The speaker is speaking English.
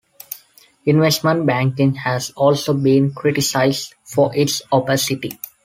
Investment banking has also been criticised for its opacity.